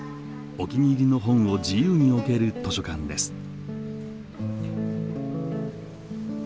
お気に入りの本を自由に置ける図書館です。